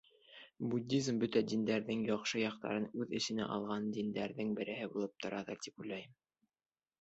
Буддизм бөтә диндәрҙең яҡшы яҡтарын үҙ эсенә алған диндәрҙең береһе булып торалыр тип уйлайым.